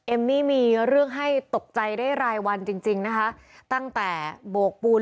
เอมมี่มีเรื่องให้ตกใจได้รายวันจริงจริงนะคะตั้งแต่โบกปูน